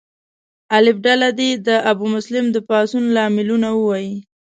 الف ډله دې د ابومسلم د پاڅون لاملونه ووایي.